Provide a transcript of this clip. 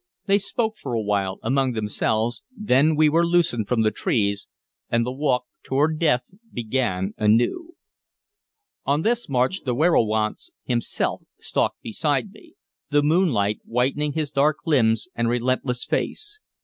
They spoke for a while among themselves; then we were loosed from the trees, and the walk toward death began anew. On this march the werowance himself stalked beside me, the moonlight whitening his dark limbs and relentless face.